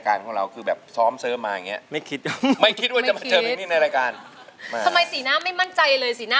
ไม่บอกก็รู้ว่าเป็นเพลงของคุณอาชายเมืองสิงหรือเปล่า